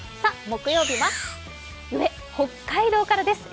木曜日は、上、北海道からです。